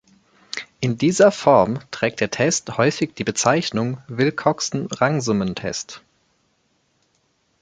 In dieser Form trägt der Test häufig die Bezeichnung "Wilcoxon-Rangsummentest".